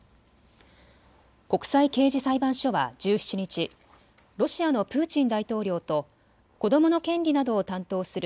国際刑事裁判所は１７日、ロシアのプーチン大統領と子どもの権利などを担当する